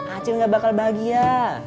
acil gak bakal bahagia